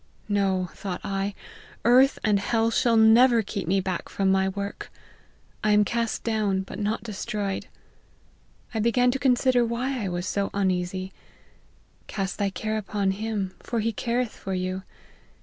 No, thought I, earth and hell shall never keep me back from my work. I am cast down, but not destroyed. I began to con sider why I was so uneasy, ' Cast thy care upon him, for he careth for you.'